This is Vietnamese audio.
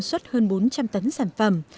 xuất hơn bốn trăm linh tấn sản phẩm